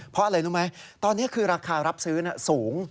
เพราะอะไรรู้ไหมตอนนี้คือราคารับซื้อสูง